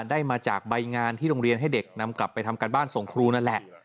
ได้มาจากใบงานที่โรงเรียนให้เด็กนำกลับไปทำการบ้านส่งครูนั่นแหละ